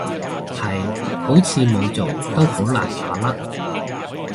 係，好似冇做都好難打甩